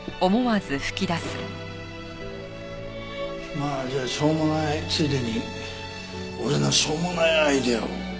まあじゃあしょうもないついでに俺のしょうもないアイデアを。